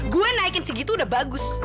gue naikin segitu udah bagus